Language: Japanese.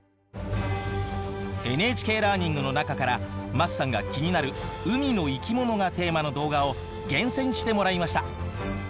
ＮＨＫラーニングの中から桝さんが気になる海の生き物がテーマの動画を厳選してもらいました。